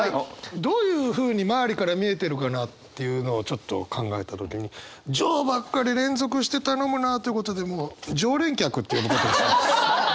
どういうふうに周りから見えてるかなっていうのをちょっと考えた時に「上」ばっかり連続して頼むなってことでもう「上連客」って呼ぶことにします。